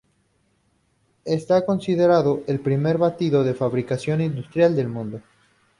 Está considerado el primer batido de fabricación industrial del mundo.